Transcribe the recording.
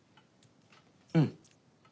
うん。